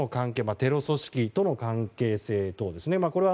テロ組織との関係性ですね。